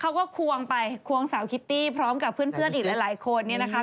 ควงไปควงสาวคิตตี้พร้อมกับเพื่อนอีกหลายคนเนี่ยนะคะ